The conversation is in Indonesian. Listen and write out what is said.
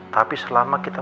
tapi selama kita